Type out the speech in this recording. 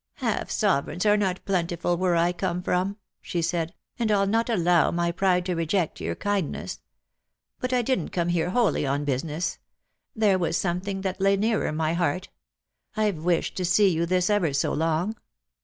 " Half sovereigns are not plentiful where I come from," she said, "and I'll not allow my pride to reject your kindness. But I didn't come here wholly on business ; there was some thing that lay nearer my heart. I've wished to see you this ever so long."